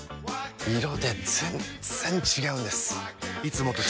色で全然違うんです！